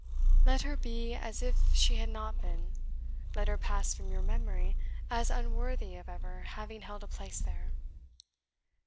Let her be as if she had not been let her pass from your memory, as unworthy of ever having held a place there.